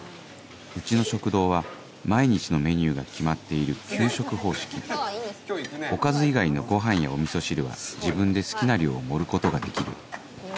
うちの食堂は毎日のメニューが決まっている給食方式おかず以外のご飯やお味噌汁は自分で好きな量を盛ることができるいや